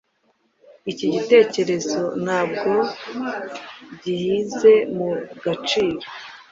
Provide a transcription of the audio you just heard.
Iki gitekerezo ntabwo gihyize mu gaciro